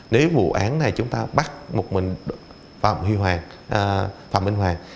nếu vụ án này chúng ta bắt một mình phạm minh hoàng